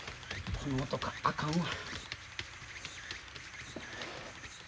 この男はあかんわ。